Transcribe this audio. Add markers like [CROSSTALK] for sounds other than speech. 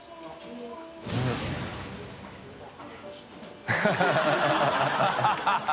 ハハハ [LAUGHS]